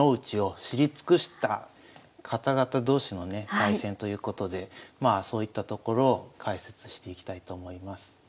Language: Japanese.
対戦ということでまあそういったところを解説していきたいと思います。